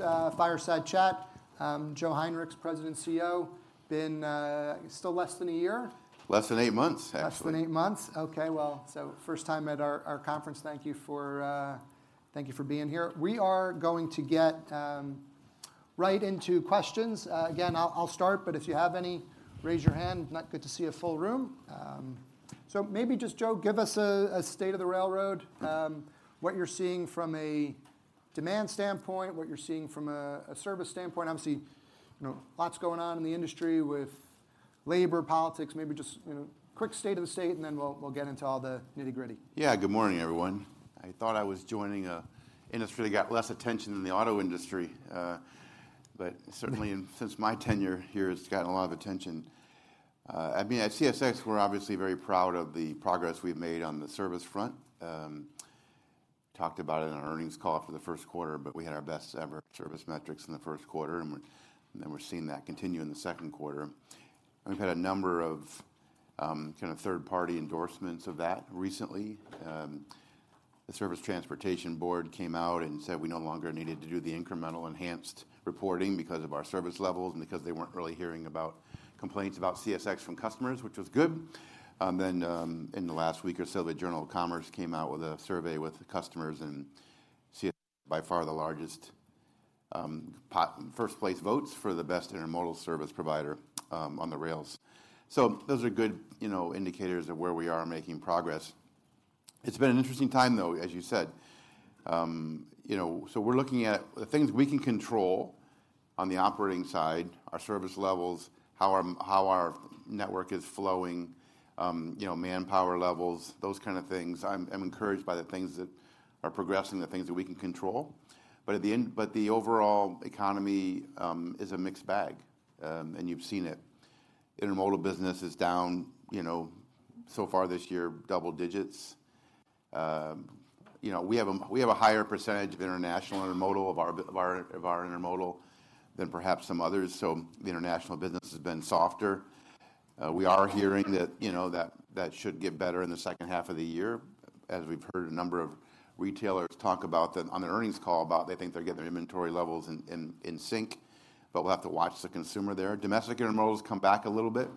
Next, fireside chat. Joe Hinrichs, President and CEO. Been, still less than a year? Less than eight months, actually. Less than eight months. Okay. Well, first time at our conference. Thank you for being here. We are going to get right into questions. Again, I'll start, but if you have any, raise your hand. Not good to see a full room. Maybe just Joe, give us a state of the railroad. What you're seeing from a demand standpoint, what you're seeing from a service standpoint. Obviously, you know, lots going on in the industry with labor, politics. Maybe just, you know, quick state of the state, and then we'll get into all the nitty-gritty. Good morning, everyone. I thought I was joining a industry that got less attention than the auto industry. Since my tenure here, it's gotten a lot of attention. I mean, at CSX, we're obviously very proud of the progress we've made on the service front. Talked about it on earnings call for the Q1, we had our best ever service metrics in the Q1, and we're seeing that continue in the Q2. We've had a number of kind of third-party endorsements of that recently. The Surface Transportation Board came out and said we no longer needed to do the incremental enhanced reporting because of our service levels and because they weren't really hearing about complaints about CSX from customers, which was good. In the last week or so, The Journal of Commerce came out with a survey with the customers, and CSX, by far the largest, first place votes for the best intermodal service provider on the rails. Those are good, you know, indicators of where we are making progress. It's been an interesting time, though, as you said. You know, so we're looking at the things we can control on the operating side, our service levels, how our network is flowing, you know, manpower levels, those kind of things. I'm encouraged by the things that are progressing, the things that we can control. The overall economy is a mixed bag. You've seen it. Intermodal business is down, you know, so far this year, double digits. You know, we have a higher percentage of international intermodal of our intermodal than perhaps some others. The international business has been softer. We are hearing that, you know, that should get better in the second half of the year, as we've heard a number of retailers talk about that on their earnings call about they think they're getting their inventory levels in sync, but we'll have to watch the consumer there. Domestic intermodals come back a little bit.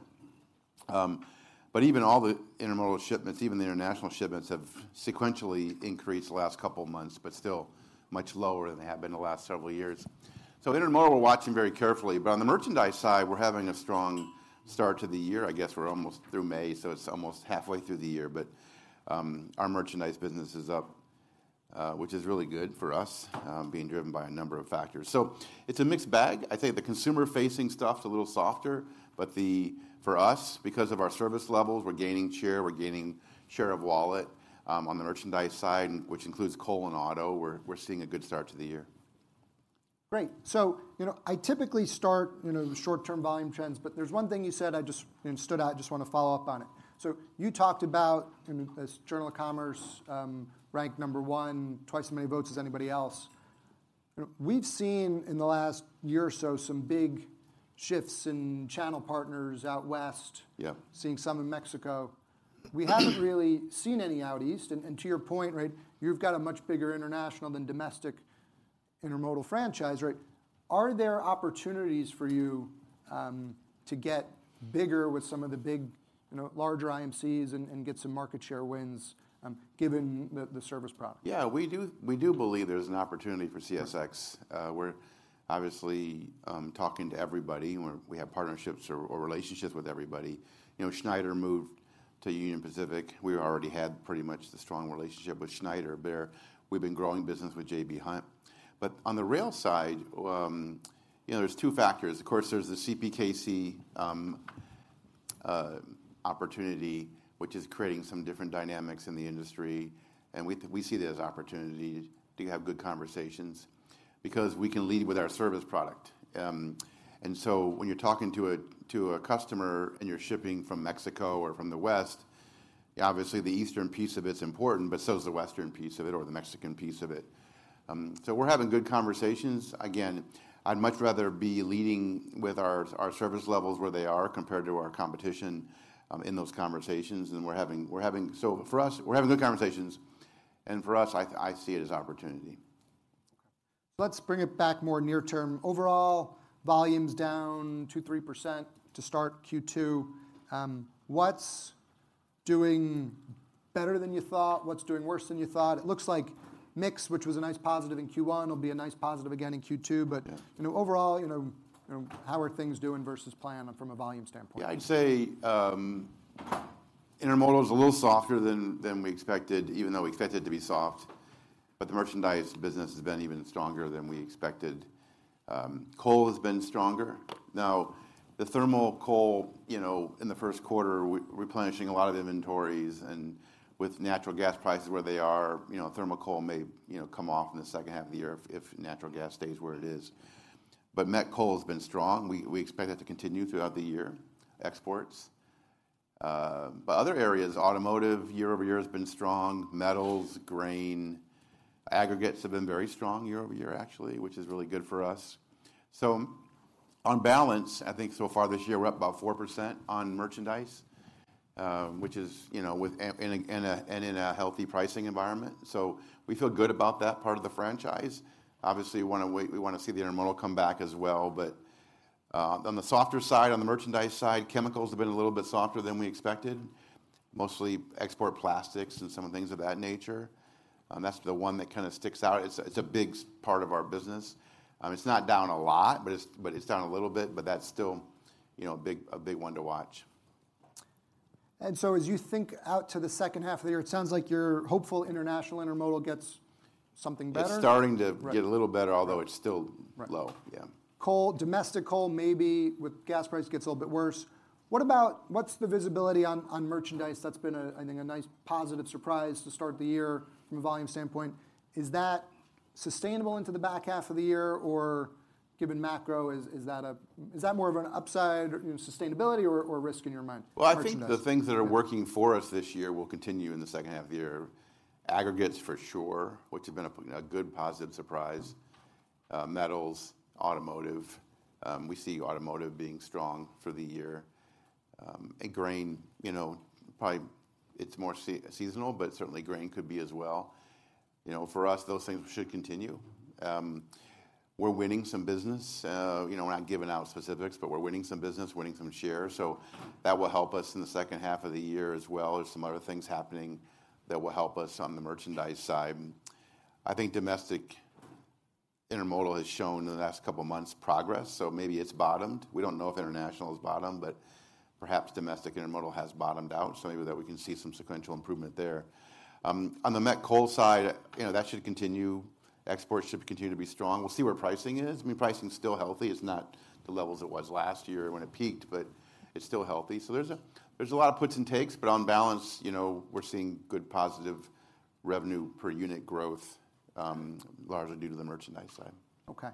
Even all the intermodal shipments, even the international shipments, have sequentially increased the last couple of months, but still much lower than they have been the last several years. Intermodal, we're watching very carefully. On the merchandise side, we're having a strong start to the year. I guess we're almost through May, so it's almost halfway through the year. Our merchandise business is up, which is really good for us, being driven by a number of factors. It's a mixed bag. I think the consumer-facing stuff is a little softer, but the, for us, because of our service levels, we're gaining share, we're gaining share of wallet on the merchandise side, which includes coal and auto. We're seeing a good start to the year. Great. You know, I typically start, you know, with short-term volume trends, but there's one thing you said I just, you know, stood out. Just wanna follow up on it. You talked about, you know, as The Journal of Commerce ranked number one, twice as many votes as anybody else. You know, we've seen in the last year or so some big shifts in channel partners out west. Yeah. Seeing some in Mexico. We haven't really seen any out east. To your point, right, you've got a much bigger international than domestic intermodal franchise, right? Are there opportunities for you to get bigger with some of the big, you know, larger IMCs and get some market share wins given the service product? Yeah. We do believe there's an opportunity for CSX. Okay. We're obviously talking to everybody when we have partnerships or relationships with everybody. You know, Schneider moved to Union Pacific. We already had pretty much the strong relationship with Schneider. We've been growing business with J.B. Hunt. On the rail side, you know, there's two factors. Of course, there's the CPKC opportunity, which is creating some different dynamics in the industry, and we see that as opportunity to have good conversations because we can lead with our service product. When you're talking to a customer and you're shipping from Mexico or from the west, obviously the eastern piece of it's important, but so is the western piece of it or the Mexican piece of it. We're having good conversations. I'd much rather be leading with our service levels where they are compared to our competition in those conversations. We're having good conversations, and for us, I see it as opportunity. Let's bring it back more near term. Overall, volumes down 2%, 3% to start Q2. What's doing better than you thought? What's doing worse than you thought? It looks like mix, which was a nice positive in Q1, will be a nice positive again in Q2. Yeah. You know, overall, you know, how are things doing versus plan from a volume standpoint? Yeah. I'd say intermodal is a little softer than we expected, even though we expected it to be soft. The merchandise business has been even stronger than we expected. Coal has been stronger. Now, the thermal coal, you know, in the Q1, replenishing a lot of inventories and with natural gas prices where they are, you know, thermal coal may, you know, come off in the second half of the year if natural gas stays where it is. Met coal has been strong. We expect that to continue throughout the year. Exports. Other areas, automotive year-over-year has been strong. Metals, grain, aggregates have been very strong year-over-year, actually, which is really good for us. On balance, I think so far this year, we're up about 4% on merchandise, which is, you know, in a healthy pricing environment. We feel good about that part of the franchise. Obviously we wanna see the intermodal come back as well. On the softer side, on the merchandise side, chemicals have been a little bit softer than we expected. Mostly export plastics and some things of that nature. That's the one that kinda sticks out. It's a big part of our business. It's not down a lot, but it's down a little bit, but that's still, you know, a big one to watch. As you think out to the second half of the year, it sounds like you're hopeful international intermodal gets something better? It's starting. Right ...get a little better, although it's still. Right ...low. Yeah. Coal, domestic coal, maybe with gas price, gets a little bit worse. What's the visibility on merchandise? That's been a, I think, a nice positive surprise to start the year from a volume standpoint. Is that sustainable into the back half of the year? Given macro, is that a, is that more of an upside, you know, sustainability or risk in your mind? Well. ...merchandise? Yeah the things that are working for us this year will continue in the second half of the year. Aggregates for sure, which have been a good positive surprise. Metals, automotive, we see automotive being strong for the year. Grain, you know, probably it's more seasonal, but certainly grain could be as well. You know, for us, those things should continue. We're winning some business. You know, we're not giving out specifics, but we're winning some business, winning some shares. That will help us in the second half of the year as well. There's some other things happening that will help us on the merchandise side. I think domestic intermodal has shown in the last couple of months progress, so maybe it's bottomed. We don't know if international has bottomed, but perhaps domestic intermodal has bottomed out, so maybe that we can see some sequential improvement there. On the met coal side, you know, that should continue. Exports should continue to be strong. We'll see where pricing is. I mean, pricing's still healthy. It's not the levels it was last year when it peaked, but it's still healthy. There's a lot of puts and takes, but on balance, you know, we're seeing good positive revenue per unit growth, largely due to the merchandise side. Okay.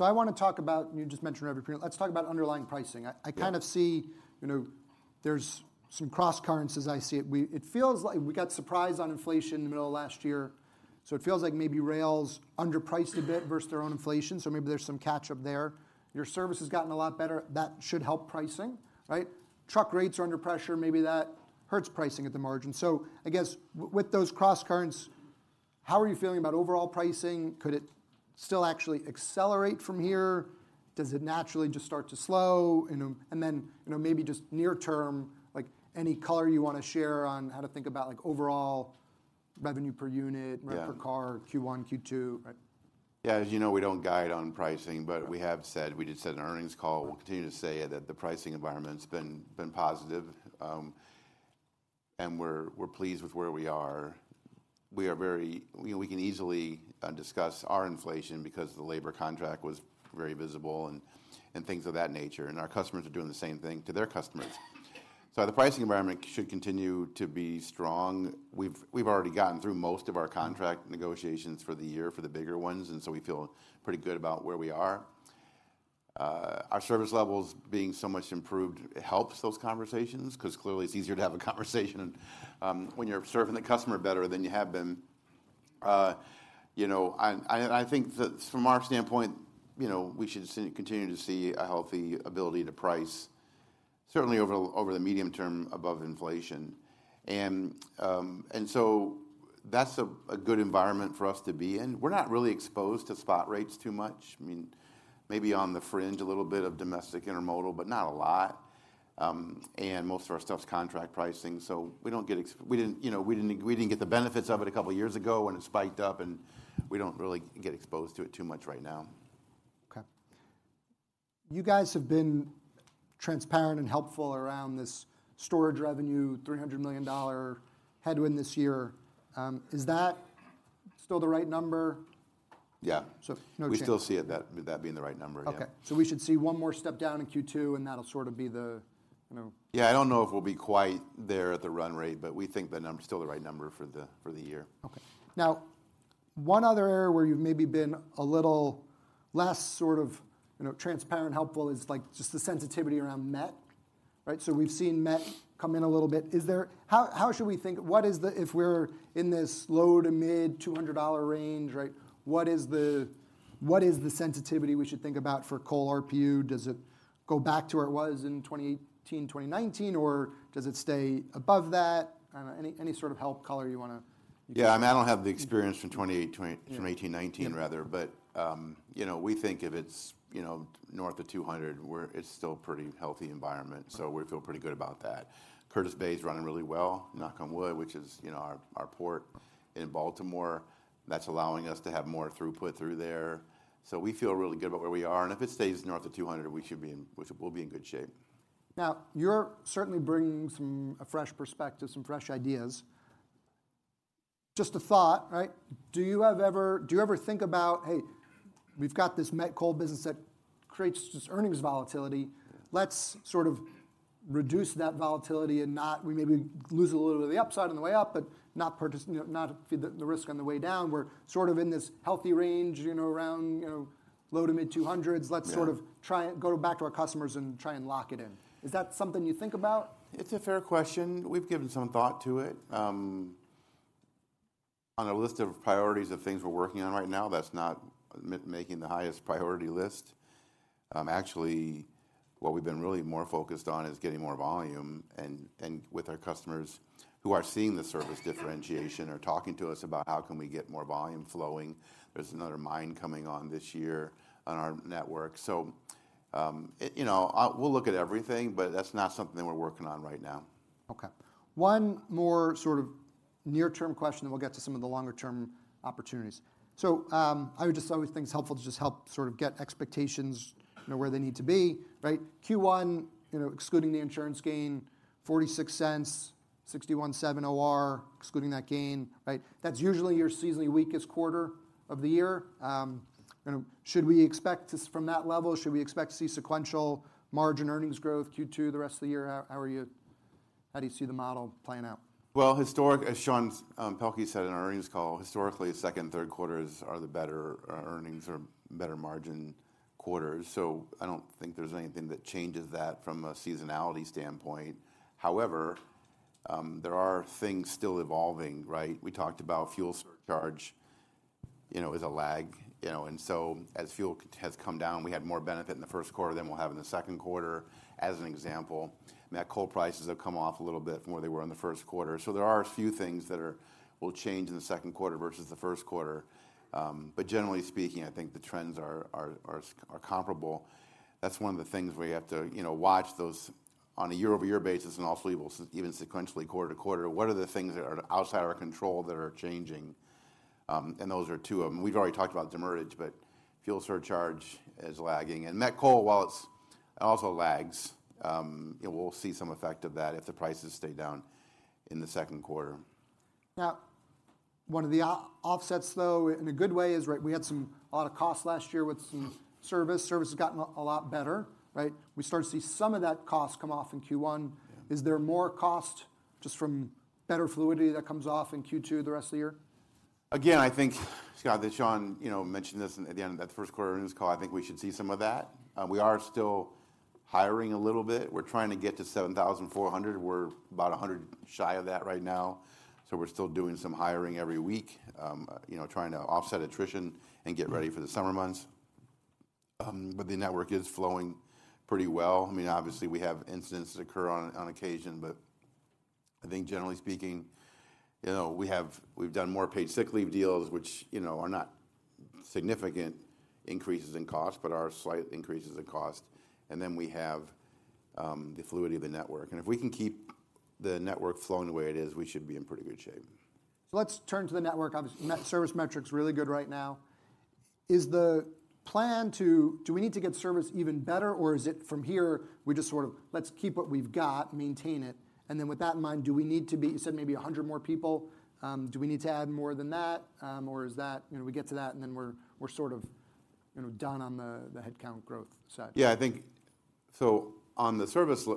I wanna talk about, and you just mentioned revenue per unit. Let's talk about underlying pricing. Yeah I kind of see, you know, there's some crosscurrents as I see it. It feels like we got surprised on inflation in the middle of last year, it feels like maybe rail's underpriced a bit versus their own inflation, Maybe there's some catch up there. Your service has gotten a lot better. That should help pricing, right? Truck rates are under pressure. Maybe that hurts pricing at the margin. I guess with those crosscurrents, how are you feeling about overall pricing? Could it still actually accelerate from here? Does it naturally just start to slow? You know, then, you know, maybe just near term, like any color you wanna share on how to think about like overall revenue per unit? Yeah rate per car, Q1, Q2. As you know, we don't guide on pricing, but we have said, we did say in the earnings call, we'll continue to say that the pricing environment's been positive. We're pleased with where we are. You know, we can easily discuss our inflation because the labor contract was very visible and things of that nature, and our customers are doing the same thing to their customers. The pricing environment should continue to be strong. We've already gotten through most of our contract negotiations for the year for the bigger ones, and so we feel pretty good about where we are. Our service levels being so much improved helps those conversations, 'cause clearly it's easier to have a conversation when you're serving the customer better than you have been. You know, and I, and I think that from our standpoint, you know, we should continue to see a healthy ability to price certainly over the medium term above inflation. That's a good environment for us to be in. We're not really exposed to spot rates too much. I mean, maybe on the fringe a little bit of domestic intermodal, but not a lot. Most of our stuff's contract pricing, so we don't get we didn't, you know, we didn't get the benefits of it a couple years ago when it spiked up, and we don't really get exposed to it too much right now. Okay. You guys have been transparent and helpful around this storage revenue, $300 million headwind this year. Is that still the right number? Yeah. No change. We still see it, that being the right number, yeah. Okay. We should see one more step down in Q2, and that'll sort of be the, you know... Yeah, I don't know if we'll be quite there at the run rate, but we think the number's still the right number for the, for the year. Okay. One other area where you've maybe been a little less sort of, you know, transparent and helpful is, like, just the sensitivity around met, right? We've seen met come in a little bit. How should we think? If we're in this low to mid $200 range, right, what is the sensitivity we should think about for coal RPU? Does it go back to where it was in 2018, 2019, or does it stay above that? I don't know, any sort of help color you wanna give? Yeah. I mean, I don't have the experience from 2018, 2019 rather. We think if it's, you know, north of $200, it's still pretty healthy environment. We feel pretty good about that. Curtis Bay is running really well, knock on wood, which is, you know, our port in Baltimore. That's allowing us to have more throughput through there. We feel really good about where we are. If it stays north of $200, we should be in, we'll be in good shape. You're certainly bringing some fresh perspective, some fresh ideas. Just a thought, right? Do you ever think about, hey, we've got this met coal business that creates this earnings volatility? Let's sort of reduce that volatility and not we maybe lose a little of the upside on the way up, but not you know, not feed the risk on the way down. We're sort of in this healthy range, you know, around, you know, low to mid $200s. Yeah. Let's sort of try and go back to our customers and try and lock it in. Is that something you think about? It's a fair question. We've given some thought to it. On our list of priorities of things we're working on right now, that's not making the highest priority list. Actually, what we've been really more focused on is getting more volume and with our customers who are seeing the service differentiation or talking to us about how can we get more volume flowing. There's another mine coming on this year on our network. You know, we'll look at everything, but that's not something that we're working on right now. One more sort of near-term question, then we'll get to some of the longer term opportunities. I always think it's helpful to just help sort of get expectations, you know, where they need to be, right? Q1, you know, excluding the insurance gain, $0.46, 61.7% OR, excluding that gain, right? That's usually your seasonally weakest quarter of the year. You know, From that level, should we expect to see sequential margin earnings growth Q2, the rest of the year? How are you... How do you see the model playing out? Well, as Sean Pelkey said in our earnings call, historically Q2 and Q3 are the better earnings or better margin quarters. I don't think there's anything that changes that from a seasonality standpoint. However, there are things still evolving, right? We talked about fuel surcharge, you know, as a lag, you know. As fuel has come down, we had more benefit in the Q1 than we'll have in the Q2, as an example. met coal prices have come off a little bit from where they were in the Q1. There are a few things that will change in the Q2 versus the Q1. Generally speaking, I think the trends are comparable. That's one of the things where you have to, you know, watch those on a year-over-year basis and also even sequentially quarter-to-quarter. What are the things that are outside of our control that are changing? Those are two of them. We've already talked about demurrage, but fuel surcharge is lagging. Met coal, while it's... it also lags. You know, we'll see some effect of that if the prices stay down in the Q2. One of the offsets, though, in a good way, is, right, we had a lot of costs last year with some service. Service has gotten a lot better, right? We started to see some of that cost come off in Q1. Yeah. Is there more cost just from better fluidity that comes off in Q2, the rest of the year? I think, Scott, that Sean, you know, mentioned this at the end of that Q1 earnings call. I think we should see some of that. We are still hiring a little bit. We're trying to get to 7,400. We're about 100 shy of that right now, so we're still doing some hiring every week, you know, trying to offset attrition and get ready for the summer months. The network is flowing pretty well. I mean, obviously we have incidents occur on occasion, but I think generally speaking, you know, we've done more paid sick leave deals, which, you know, are not significant increases in cost, but are slight increases in cost. We have the fluidity of the network. If we can keep the network flowing the way it is, we should be in pretty good shape. Let's turn to the network. Obviously, net service metric's really good right now. Do we need to get service even better, or is it from here, we just sort of, "Let's keep what we've got, maintain it," and then with that in mind, do we need to be, you said maybe 100 more people, do we need to add more than that? Or is that, you know, we get to that, and then we're sort of, you know, done on the headcount growth side? Yeah, I think. On the service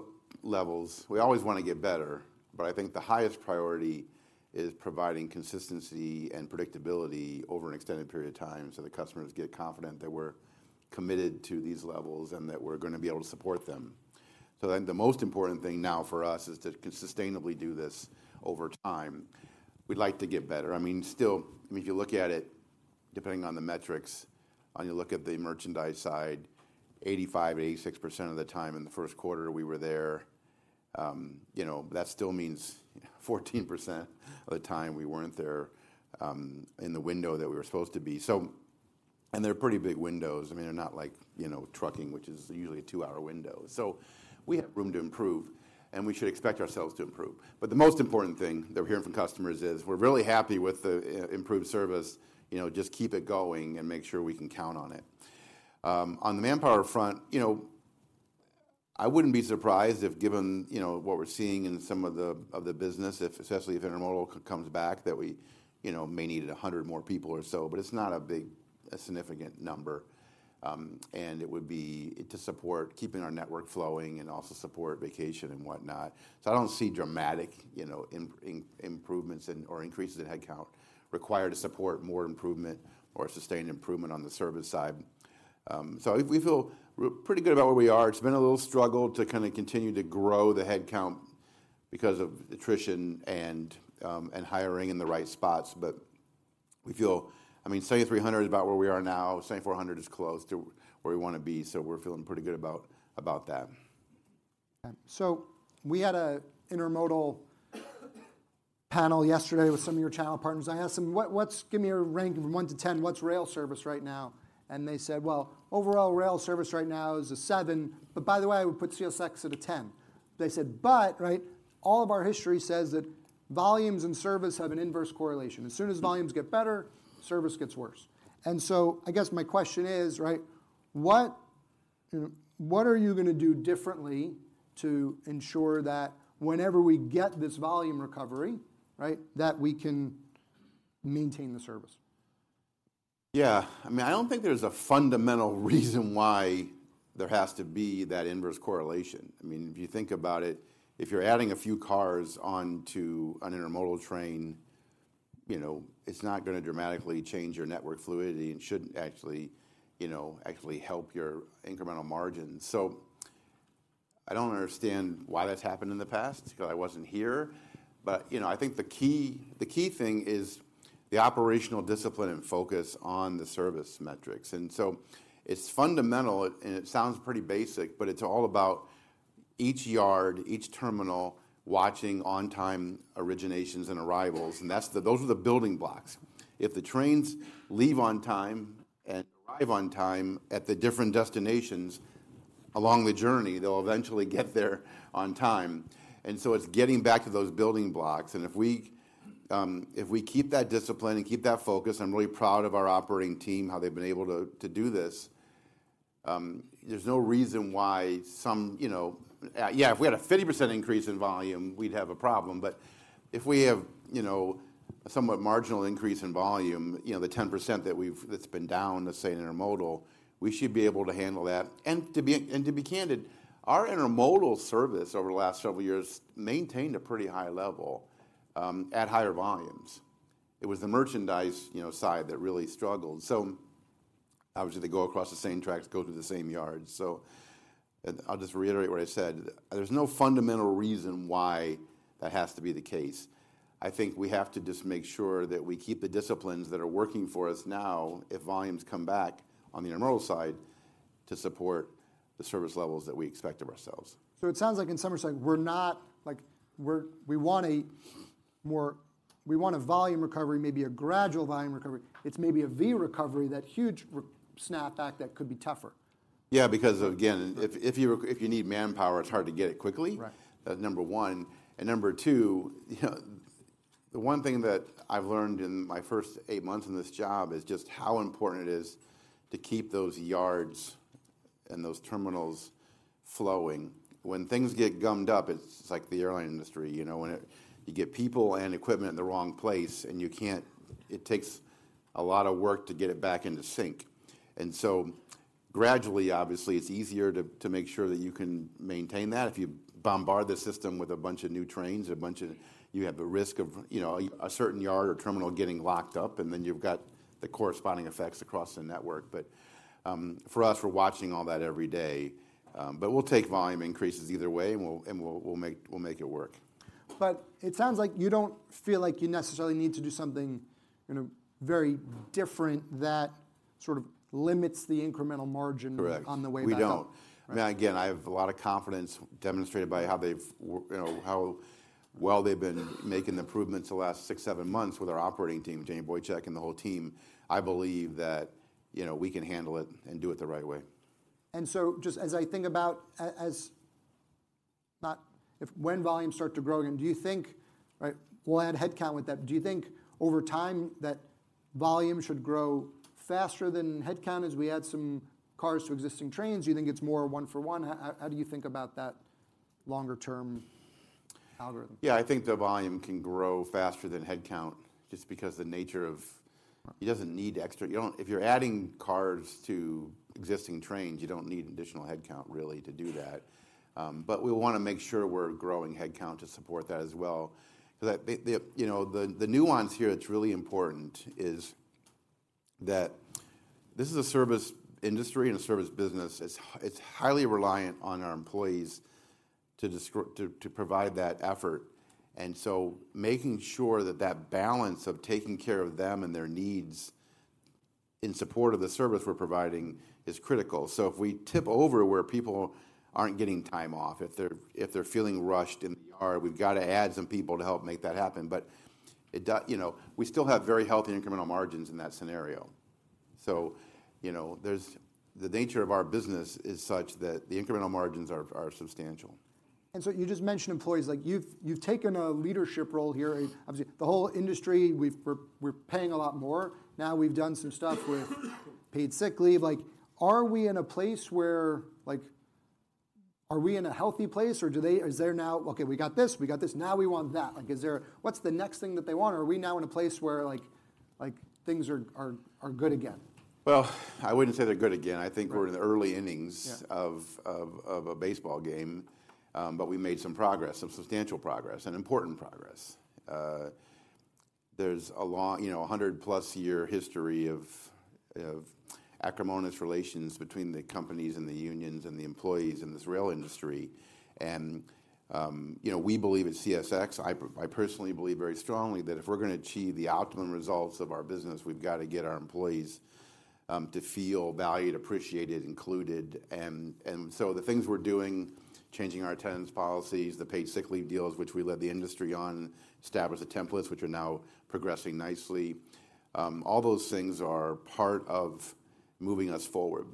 levels, we always want to get better, but I think the highest priority is providing consistency and predictability over an extended period of time, so the customers get confident that we're committed to these levels and that we're gonna be able to support them. The most important thing now for us is to sustainably do this over time. We'd like to get better. I mean, still, I mean, if you look at it, depending on the metrics, and you look at the merchandise side, 85%, 86% of the time in the Q1 we were there. You know, that still means 14% of the time we weren't there in the window that we were supposed to be. And they're pretty big windows. I mean, they're not like, you know, trucking, which is usually a two hour window. We have room to improve, and we should expect ourselves to improve. The most important thing that we're hearing from customers is, "We're really happy with the improved service, you know. Just keep it going, and make sure we can count on it." On the manpower front, you know, I wouldn't be surprised if given, you know, what we're seeing in some of the business, if, especially if intermodal comes back, that we, you know, may need 100 more people or so. It's not a big, significant number. It would be to support keeping our network flowing and also support vacation and whatnot. I don't see dramatic, you know, improvements in, or increases in headcount required to support more improvement or sustained improvement on the service side. We feel pretty good about where we are. It's been a little struggle to kinda continue to grow the headcount because of attrition and hiring in the right spots. We feel I mean, say 300 is about where we are now. Say 400 is close to where we wanna be. We're feeling pretty good about that. We had a intermodal panel yesterday with some of your channel partners, and I asked them, "What's... Give me a rank from 1-10, what's rail service right now?" They said, "Well, overall rail service right now is a seven, but by the way, I would put CSX at a 10." They said, "But," right, "all of our history says that volumes and service have an inverse correlation. As soon as volumes get better, service gets worse." I guess my question is, right, what, you know, what are you gonna do differently to ensure that whenever we get this volume recovery, right, that we can maintain the service? Yeah. I mean, I don't think there's a fundamental reason why there has to be that inverse correlation. I mean, if you think about it, if you're adding a few cars onto an intermodal train, you know, it's not gonna dramatically change your network fluidity and should actually, you know, actually help your incremental margins. I don't understand why that's happened in the past because I wasn't here. You know, I think the key, the key thing is the operational discipline and focus on the service metrics. It's fundamental and it sounds pretty basic, but it's all about each yard, each terminal watching on-time originations and arrivals. Those are the building blocks. If the trains leave on time and arrive on time at the different destinations along the journey, they'll eventually get there on time. It's getting back to those building blocks. If we keep that discipline and keep that focus, I'm really proud of our operating team, how they've been able to do this, there's no reason why some, you know. Yeah, if we had a 50% increase in volume, we'd have a problem. If we have, you know, a somewhat marginal increase in volume, you know, the 10% that's been down, let's say in intermodal, we should be able to handle that. To be candid, our intermodal service over the last several years maintained a pretty high level at higher volumes. It was the merchandise, you know, side that really struggled. Obviously, they go across the same tracks, go through the same yards. I'll just reiterate what I said. There's no fundamental reason why that has to be the case. I think we have to just make sure that we keep the disciplines that are working for us now if volumes come back on the intermodal side to support the service levels that we expect of ourselves. It sounds like in some respect, we're not... Like, we want a more... We want a volume recovery, maybe a gradual volume recovery. It's maybe a V recovery, that huge snap back that could be tougher. Yeah. Because again, if you need manpower, it's hard to get it quickly. Right. Number one. number two, you know, the one thing that I've learned in my first eight months in this job is just how important it is to keep those yards and those terminals flowing. When things get gummed up, it's like the airline industry, you know. You get people and equipment in the wrong place. It takes a lot of work to get it back into sync. Gradually, obviously, it's easier to make sure that you can maintain that. If you bombard the system with a bunch of new trains, you have the risk of, you know, a certain yard or terminal getting locked up, and then you've got the corresponding effects across the network. For us, we're watching all that every day. We'll take volume increases either way and we'll make it work. It sounds like you don't feel like you necessarily need to do something in a very different... that sort of limits the incremental margin- Correct on the way back up. We don't. Right. Again, I have a lot of confidence demonstrated by how they've You know, how well they've been making the improvements the last six, seven months with our operating team, Jamie Boychuk and the whole team. I believe that, you know, we can handle it and do it the right way. Just as I think about as not if, when volumes start to grow again, do you think, We'll add headcount with that. Do you think over time that volume should grow faster than headcount as we add some cars to existing trains? Do you think it's more one for one? How do you think about that longer term algorithm? Yeah. I think the volume can grow faster than headcount just because the nature of- Right If you're adding cars to existing trains, you don't need additional headcount really to do that. We wanna make sure we're growing headcount to support that as well. You know, the nuance here that's really important is that this is a service industry and a service business. It's highly reliant on our employees to provide that effort. Making sure that that balance of taking care of them and their needs in support of the service we're providing is critical. If we tip over where people aren't getting time off, if they're, if they're feeling rushed in the yard, we've got to add some people to help make that happen. You know, we still have very healthy incremental margins in that scenario. You know, there's. The nature of our business is such that the incremental margins are substantial. You just mentioned employees. Like, you've taken a leadership role here. Obviously, the whole industry, we've... We're paying a lot more. Now we've done some stuff with paid sick leave. Like, are we in a place where... Like, are we in a healthy place or do they... Is there now, "Okay, we got this, we got this. Now we want that." Like, is there... What's the next thing that they want? Are we now in a place where, like, things are good again? Well, I wouldn't say they're good again. Right. I think we're in the early innings. Yeah of a baseball game. We made some progress, some substantial progress and important progress. There's a long, you know, 100-plus year history of acrimonious relations between the companies and the unions and the employees in this rail industry. You know, we believe at CSX, I personally believe very strongly that if we're gonna achieve the optimum results of our business, we've got to get our employees to feel valued, appreciated, included. The things we're doing, changing our attendance policies, the paid sick leave deals, which we led the industry on, established the templates, which are now progressing nicely, all those things are part of moving us forward.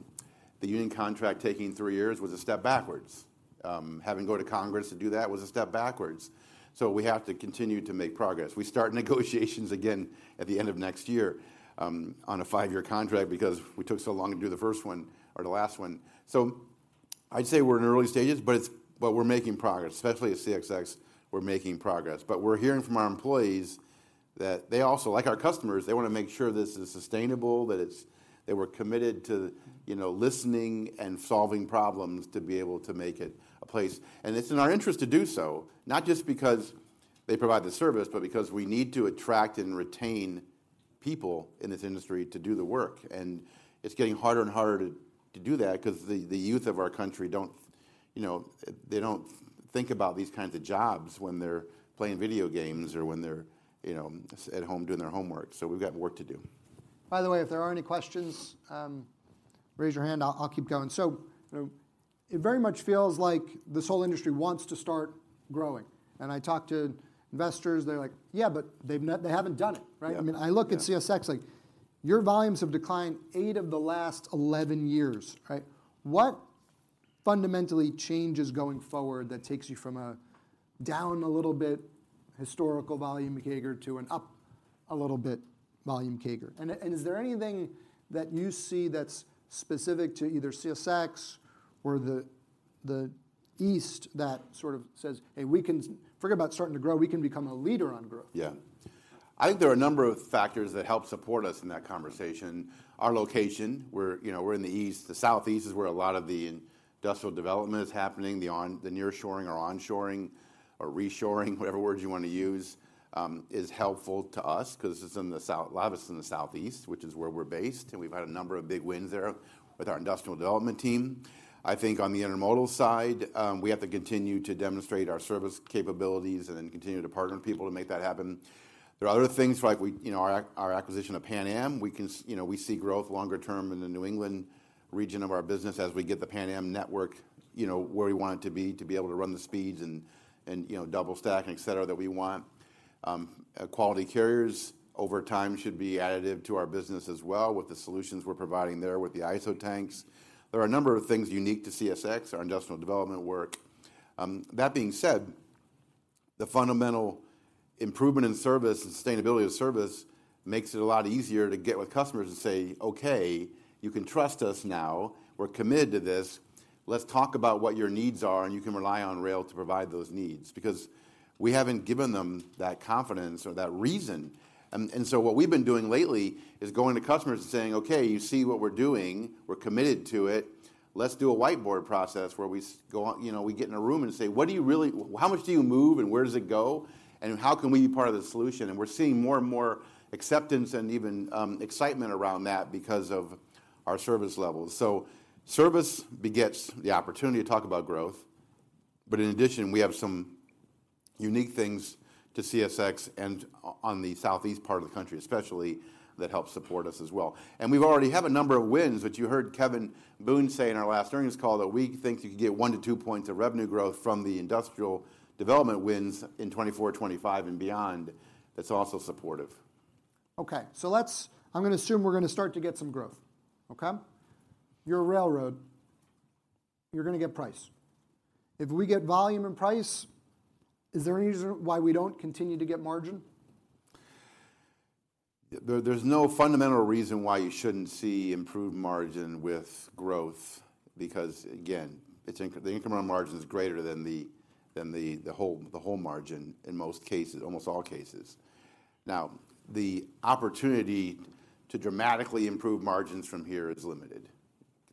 The union contract taking three years was a step backwards. Having to go to Congress to do that was a step backwards. We have to continue to make progress. We start negotiations again at the end of next year on a five-year contract because we took so long to do the first one or the last one. I'd say we're in early stages, but we're making progress. Especially at CSX, we're making progress. We're hearing from our employees that they also, like our customers, they wanna make sure this is sustainable, that we're committed to, you know, listening and solving problems to be able to make it a place. It's in our interest to do so, not just because they provide the service, but because we need to attract and retain people in this industry to do the work. It's getting harder and harder to do that 'cause the youth of our country don't, you know, they don't think about these kinds of jobs when they're playing video games or when they're, you know, at home doing their homework. We've got work to do. By the way, if there are any questions, raise your hand. I'll keep going. you know, it very much feels like this whole industry wants to start growing, and I talk to investors, they're like, "Yeah, but they haven't done it," right? Yeah. I mean, I look at CSX like, your volumes have declined eight of the last 11 years, right? What fundamentally changes going forward that takes you from a down a little bit historical volume CAGR to an up a little bit volume CAGR? Is there anything that you see that's specific to either CSX or the East that sort of says, "Hey, we can forget about starting to grow. We can become a leader on growth. Yeah. I think there are a number of factors that help support us in that conversation. Our location, we're, you know, we're in the East. The Southeast is where a lot of the industrial development is happening. The nearshoring or onshoring or reshoring whatever word you wanna use, is helpful to us 'cause it's in the South, a lot of it's in the Southeast, which is where we're based, and we've had a number of big wins there with our industrial development team. I think on the intermodal side, we have to continue to demonstrate our service capabilities and then continue to partner with people to make that happen. There are other things like we, you know, our acquisition of Pan Am, we can you know, we see growth longer term in the New England region of our business as we get the Pan Am network, you know, where we want it to be to be able to run the speeds and, you know, double stack, et cetera, that we want. Quality Carriers over time should be additive to our business as well with the solutions we're providing there with the ISO tanks. There are a number of things unique to CSX, our industrial development work. That being said, the fundamental improvement in service and sustainability of service makes it a lot easier to get with customers and say, "Okay, you can trust us now. We're committed to this. Let's talk about what your needs are, and you can rely on rail to provide those needs." Because we haven't given them that confidence or that reason. What we've been doing lately is going to customers and saying, "Okay, you see what we're doing. We're committed to it. Let's do a whiteboard process where we, you know, we get in a room and say, 'What do you really... How much do you move, and where does it go? And how can we be part of the solution?'" We're seeing more and more acceptance and even excitement around that because of our service levels. Service begets the opportunity to talk about growth. In addition, we have some unique things to CSX on the southeast part of the country especially that help support us as well. We've already have a number of wins, which you heard Kevin Boone say in our last earnings call, that we think you could get 1-2 points of revenue growth from the industrial development wins in 2024, 2025 and beyond. That's also supportive. Okay. Let's, I'm gonna assume we're gonna start to get some growth. Okay? You're a railroad. You're gonna get price. If we get volume and price, is there any reason why we don't continue to get margin? There's no fundamental reason why you shouldn't see improved margin with growth because, again, the incremental margin is greater than the whole margin in most cases. Almost all cases. Now, the opportunity to dramatically improve margins from here is limited.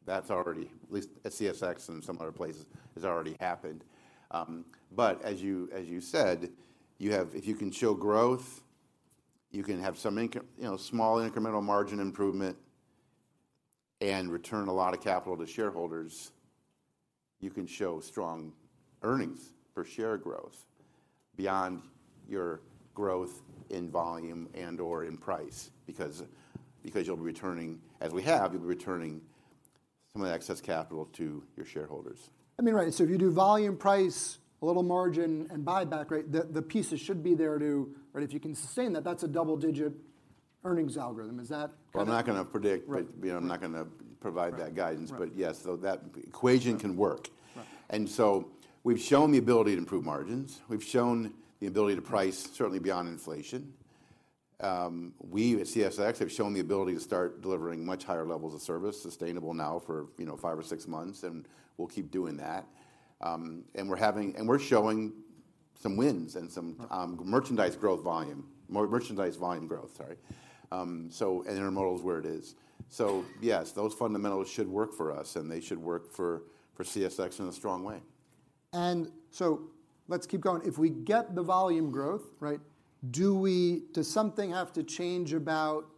That's already, at least at CSX and some other places, has already happened. As you said, if you can show growth, you can have some you know, small incremental margin improvement and return a lot of capital to shareholders, you can show strong earnings per share growth beyond your growth in volume and-or in price. Because you'll be returning, as we have, you'll be returning some of the excess capital to your shareholders. I mean, right. If you do volume, price, a little margin and buyback, right? The, the pieces should be there to... Right? If you can sustain that's a double-digit earnings algorithm. Is that kind of- Well, I'm not gonna. Right you know, I'm not gonna provide that guidance. Right. Right. Yes, so that equation can work. Right. We've shown the ability to improve margins. We've shown the ability to price certainly beyond inflation. We at CSX have shown the ability to start delivering much higher levels of service, sustainable now for, you know, five or six months, and we'll keep doing that. And we're showing some wins and some- Right merchandise growth volume. merchandise volume growth, sorry. Intermodal is where it is. Yes, those fundamentals should work for us, and they should work for CSX in a strong way. Let's keep going. If we get the volume growth, right, does something have to change about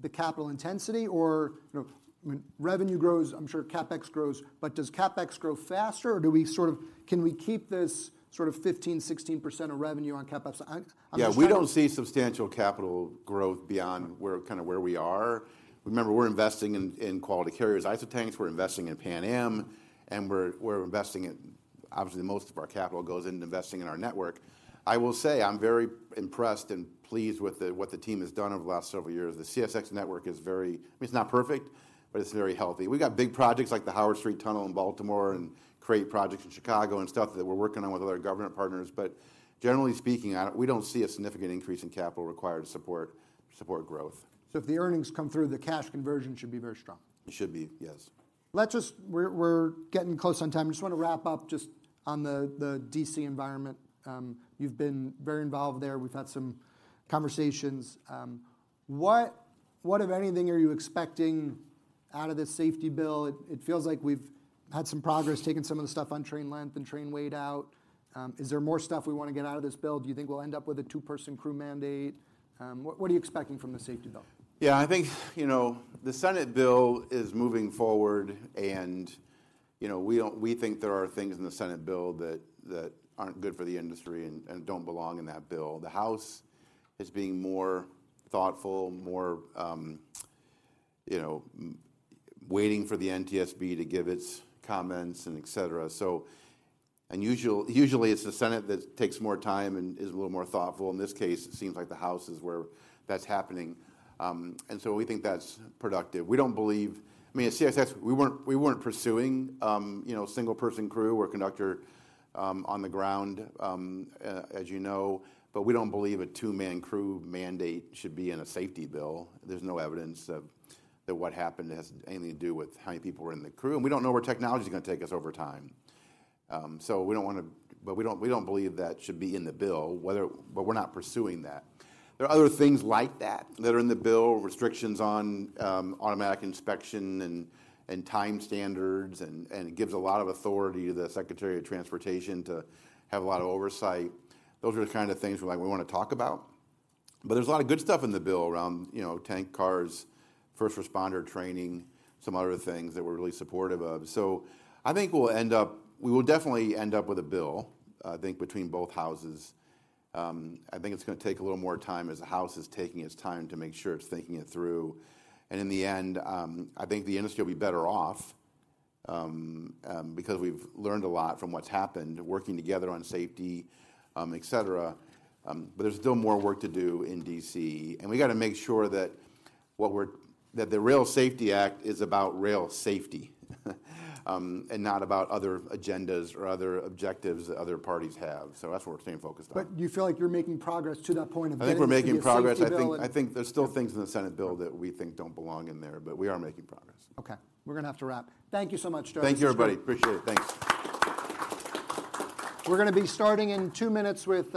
the capital intensity? You know, when revenue grows, I'm sure CapEx grows, but does CapEx grow faster, or can we keep this sort of 15%-16% of revenue on CapEx? I'm just trying to. Yeah, we don't see substantial capital growth beyond where, kind of where we are. Remember, we're investing in Quality Carriers ISO tanks, we're investing in Pan Am, and we're investing in, obviously, most of our capital goes into investing in our network. I will say, I'm very impressed and pleased with what the team has done over the last several years. The CSX network is very, I mean, it's not perfect, but it's very healthy. We've got big projects like the Howard Street Tunnel in Baltimore and great projects in Chicago and stuff that we're working on with other government partners. Generally speaking, we don't see a significant increase in capital required to support growth. If the earnings come through, the cash conversion should be very strong. It should be, yes. Let's just We're getting close on time. I just want to wrap up just on the D.C. environment. You've been very involved there. We've had some conversations. What, if anything, are you expecting out of this Safety Bill, it feels like we've had some progress taking some of the stuff on train length and train weight out. Is there more stuff we wanna get out of this Safety Bill? Do you think we'll end up with a two-person crew mandate? What are you expecting from the Safety Bill? I think, you know, the Senate bill is moving forward and, you know, we think there are things in the Senate bill that aren't good for the industry and don't belong in that bill. The House is being more thoughtful, more, you know, waiting for the NTSB to give its comments and et cetera. Usually it's the Senate that takes more time and is a little more thoughtful. In this case, it seems like the House is where that's happening. We think that's productive. I mean, at CSX, we weren't pursuing, you know, single-person crew or conductor on the ground, as you know. We don't believe a two-man crew mandate should be in a safety bill. There's no evidence of that what happened has anything to do with how many people were in the crew. We don't know where technology's gonna take us over time. We don't believe that should be in the bill. We're not pursuing that. There are other things like that that are in the bill, restrictions on automatic inspection and time standards and it gives a lot of authority to the Secretary of Transportation to have a lot of oversight. Those are the kind of things where like we wanna talk about. There's a lot of good stuff in the bill around, you know, tank cars, first responder training, some other things that we're really supportive of. We will definitely end up with a bill, I think, between both houses. I think it's gonna take a little more time as the House is taking its time to make sure it's thinking it through. In the end, I think the industry will be better off because we've learned a lot from what's happened working together on safety, et cetera. There's still more work to do in D.C., and we gotta make sure that the Rail Safety Act is about rail safety and not about other agendas or other objectives that other parties have. That's what we're staying focused on. Do you feel like you're making progress to that point, embedding the Safety Bill and-? I think we're making progress. I think there's still things in the Senate bill that we think don't belong in there. We are making progress. Okay. We're gonna have to wrap. Thank you so much, Joe. This was great. Thank you, everybody. Appreciate it. Thanks. We're gonna be starting in two minutes with-